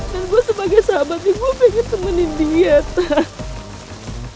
dan gue sebagai sahabatnya gue pengen temenin dia kak